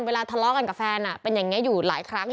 ทะเลาะกันกับแฟนเป็นอย่างนี้อยู่หลายครั้ง